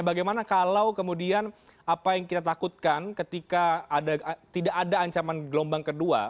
bagaimana kalau kemudian apa yang kita takutkan ketika tidak ada ancaman gelombang kedua